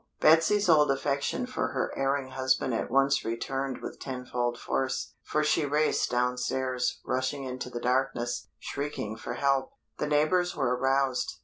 Betsy's old affection for her erring husband at once returned with tenfold force, for she raced downstairs, rushing into the darkness, shrieking for help. The neighbours were aroused.